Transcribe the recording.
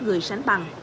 ít người sánh bằng